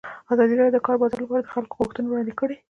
ازادي راډیو د د کار بازار لپاره د خلکو غوښتنې وړاندې کړي.